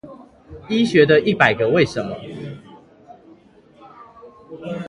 醫學的一百個為什麼